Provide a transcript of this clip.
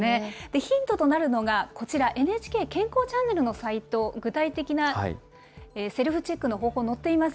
ヒントとなるのが、こちら、ＮＨＫ健康チャンネルのサイト、具体的なセルフチェックの方法、載っています。